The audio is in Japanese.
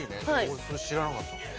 俺それ知らなかった。